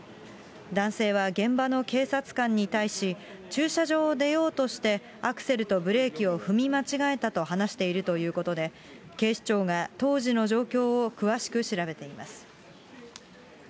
男性は現場の警察官に対し、駐車場を出ようとして、アクセルとブレーキを踏み間違えたと話しているということで、警視庁が当時の状況を詳しく調べています。